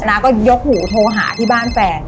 ้าก็ยกหูโทรหาที่บ้านแฟน